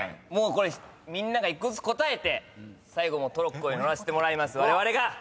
これみんなが１個ずつ答えて最後トロッコへ乗らせてもらいますわれわれが！